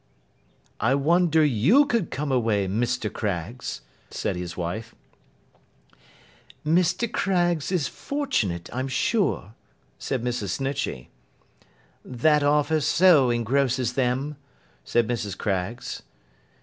'I wonder you could come away, Mr. Craggs,' said his wife. 'Mr. Craggs is fortunate, I'm sure!' said Mrs. Snitchey. 'That office so engrosses 'em,' said Mrs. Craggs.